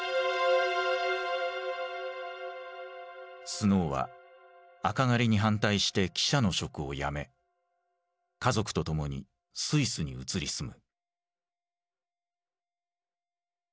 スノーは赤狩りに反対して記者の職を辞め家族と共にスイスに移り住む。